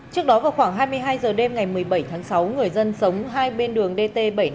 trước đó vào khoảng hai mươi hai h đêm ngày một mươi bảy tháng sáu người dân sống hai bên đường dt bảy trăm năm mươi